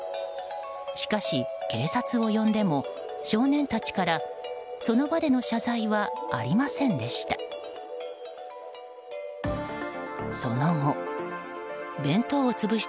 しかし、警察を呼んでも少年たちからその場での謝罪はありませんでした。